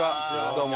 どうも。